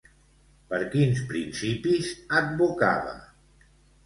Per quins principis advocava?